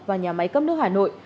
và nhà máy cấp nước hà nội